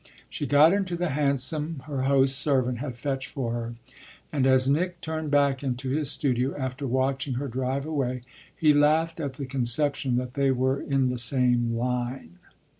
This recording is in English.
She got into the hansom her host's servant had fetched for her, and as Nick turned back into his studio after watching her drive away he laughed at the conception that they were in the same "line."